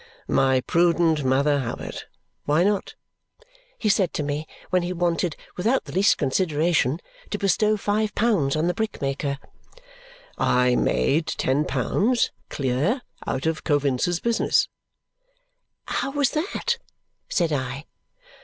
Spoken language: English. "My prudent Mother Hubbard, why not?" he said to me when he wanted, without the least consideration, to bestow five pounds on the brickmaker. "I made ten pounds, clear, out of Coavinses' business." "How was that?" said I.